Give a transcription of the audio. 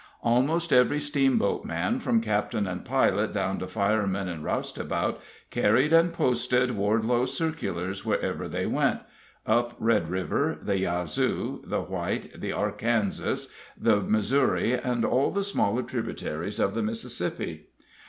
Almost every steamboat man, from captain and pilot down to fireman and roustabout, carried and posted Wardelow's circulars wherever they went up Red River, the Yazoo, the White, the Arkansas, the Missouri, and all the smaller tributaries of the Mississippi.